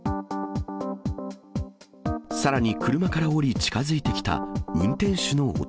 さらに、車から降り近づいてきた運転手の男。